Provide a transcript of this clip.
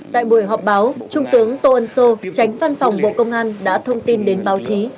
tại buổi họp báo trung tướng tô ân sô tránh văn phòng bộ công an đã thông tin đến báo chí